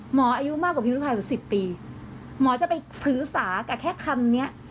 หมออายุมากกว่าพี่พิมพ์ริพายกว่า๑๐ปีหมอจะไปสือสากับแค่คำนี้